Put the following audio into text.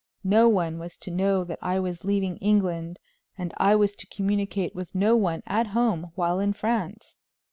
No one was to know that I was leaving England, and I was to communicate with no one at home while in France.